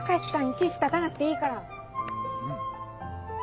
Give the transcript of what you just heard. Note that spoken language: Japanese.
いちいち立たなくていいから。